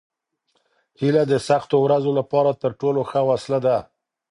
هیله د سختو ورځو لپاره تر ټولو ښه وسله ده.